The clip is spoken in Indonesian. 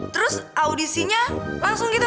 terus audisinya langsung gitu